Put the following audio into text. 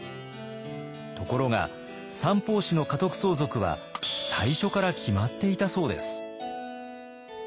ところが三法師の家督相続は最初から決まっていたそうです。